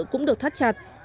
cũng được thắt chặt